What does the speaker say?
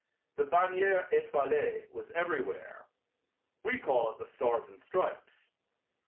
The "bannière etoilée" was everywhere. We call it the Stars and Stripes.